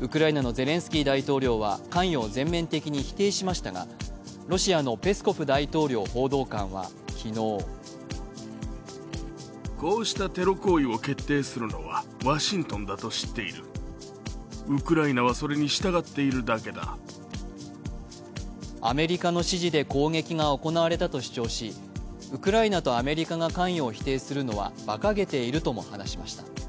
ウクライナのゼレンスキー大統領は関与を全面的に否定しましたが、ロシアのペスコフ大統領報道官は昨日アメリカの指示で攻撃が行われたと主張しウクライナとアメリカが関与を否定するのは、ばかげているとも話しました。